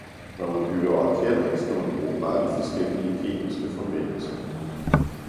Når man bygger raketter, skal man bruge mange forskellige kemiske forbindelser.